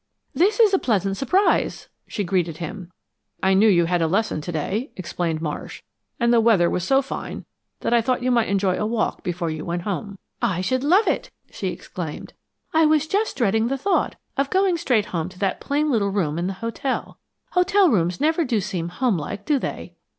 "This is a pleasant surprise," she greeted him. "I knew you had a lesson today," explained Marsh, "and the weather was so fine that I thought you might enjoy a walk before you went home." "I should love it!" she exclaimed. "I was just dreading the thought of going straight home to that plain little room in the hotel. Hotel rooms never do seem homelike, do they?"